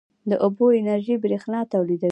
د اوبو انرژي برښنا تولیدوي